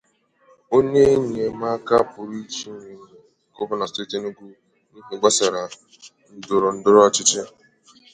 onye enyem aka pụrụ iche nye Gọvanọ steeti Enugu n'ihe gbasaara ndọrọ ndọrọ ọchịchị